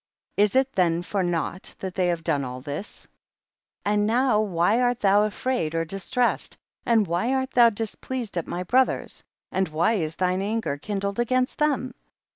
Is it then for nought that they have done all this ? 54. And now why art thou afraid or distressed, and why art thou dis pleased at my brothers, and why is thine anger kindled against tliem